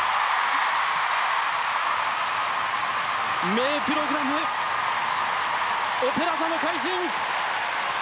名プログラムオペラ座の怪人。